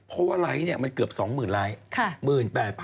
เพราะว่าไลค์มันเกือบ๒๐๐๐ไลค์